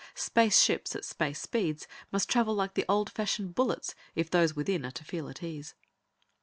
Space ships, at space speeds, must travel like the old fashioned bullets if those within are to feel at ease.